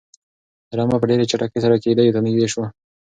رمه په ډېرې چټکۍ سره کيږديو ته نږدې شوه.